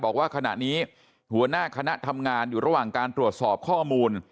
บอกว่าขณะนี้หัวหน้าคณะทำงานอยู่ระหว่างการตรวจสอบข้อมูล